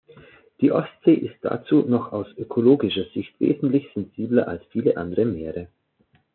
Die Ostsee ist dazu noch aus ökologischer Sicht wesentlich sensibler als viele andere Meere.